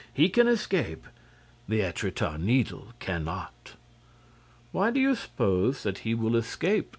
He can escape. The Étretat Needle cannot." "Why do you suppose that he will escape?"